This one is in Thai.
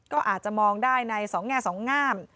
ก็อาจจะมองได้ใน๒แง่๒งาม